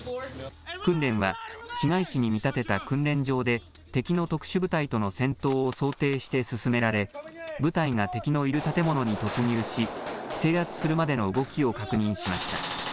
訓練は市街地に見立てた訓練場で敵の特殊部隊との戦闘を想定して進められ部隊が敵のいる建物に突入し制圧するまでの動きを確認しました。